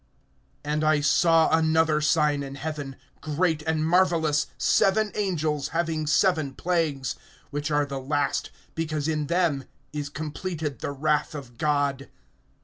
AND I saw another sign in heaven, great and marvelous, seven angels having seven plagues; which are the last, because in them is completed the wrath of God.